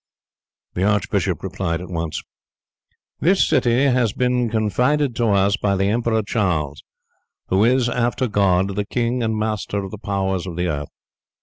The archbishop replied at once: "This city has been confided to us by the Emperor Charles, who is, after God, the king and master of the powers of the earth.